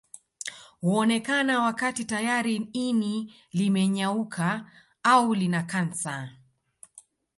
Huonekana wakati tayari ini limenyauka au lina kansa